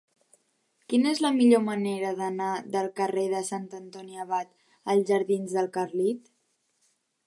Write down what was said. Quina és la millor manera d'anar del carrer de Sant Antoni Abat als jardins del Carlit?